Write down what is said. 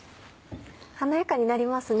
華やかになりますね。